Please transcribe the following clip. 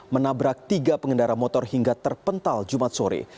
menabrak tiga pengendara motor hingga terpental jumat sore